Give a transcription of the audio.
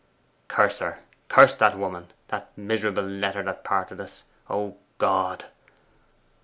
'Curse her! curse that woman! that miserable letter that parted us! O God!